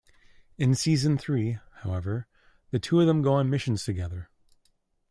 In season three, however, the two of them go on missions together.